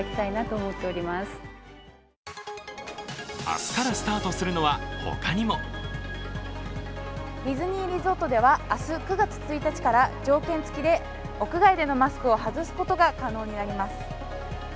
明日からスタートするのは他にもディズニーリゾートでは明日９月１日から条件つきで屋外でのマスクを外すことが可能になります。